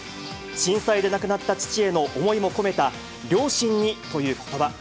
震災で亡くなった父への思いも込めた、両親にということば。